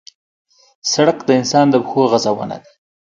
سړک د انسان د پښو غزونه ده.